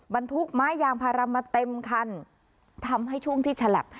บรรทุกไม้ยางพารามาเต็มคันทำให้ช่วงที่ฉลับ